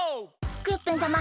クヨッペンさま